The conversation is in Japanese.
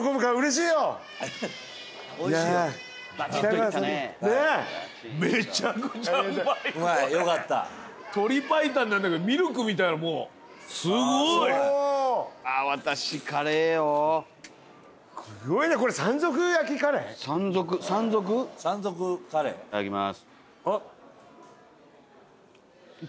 いただきます。